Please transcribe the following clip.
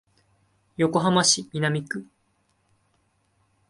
横浜市南区